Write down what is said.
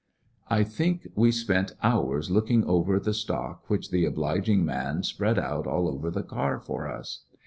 I think we spent hours looking over the stock which the obliging man spread out all over the car for us.